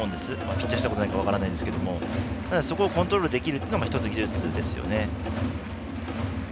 ピッチャーをしたことがないから分からないんですけれどもそこをコントロールできるのも１つの技術ですよね。